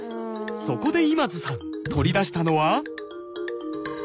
そこで今津さん取り出したのは。